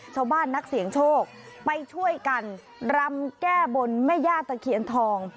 ชาวบ้านนักเสียงโชคไปช่วยกันรำแก้บนแม่ญาติเขียนทอง